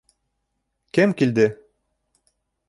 Кем килде?